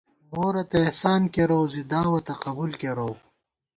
مورتئ احسان کېروؤ زی دعوَتہ قبُول کېروؤ